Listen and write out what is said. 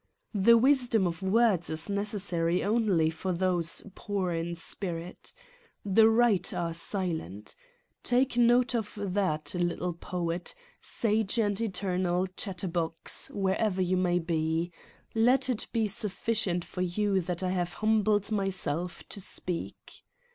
The wisdom of words is necessary only for those poor in spirit. The right are silent. Take note of that, little poet, sage and eternal chatterbox, wherever you may be. Let it be sufficient for you that I have humbled myself to speak.